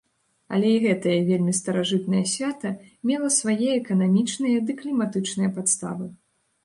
Але і гэтае вельмі старажытнае свята мела свае эканамічныя ды кліматычныя падставы.